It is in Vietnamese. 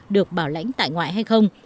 được bảo lãnh tại ngoại hay không